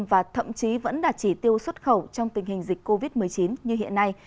và thậm chí vẫn đạt chỉ tiêu xuất khẩu trong tình hình dịch covid một mươi chín như hiện nay